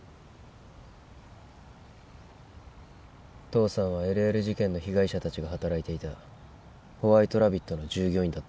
父さんはＬＬ事件の被害者たちが働いていたホワイトラビットの従業員だったんだ。